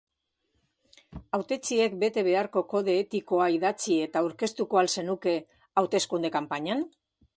Hautetsiek bete beharreko kode etikoa idatzi eta aurkeztuko al zenuke hauteskunde-kanpainan?